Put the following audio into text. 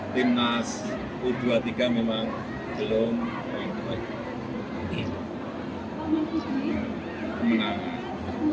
timnas u dua puluh tiga memang belum kemenangan